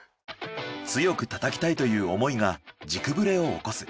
強く叩きたいという思いが軸ブレを起こす。